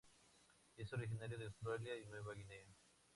Es originario de Australia y Nueva Guinea.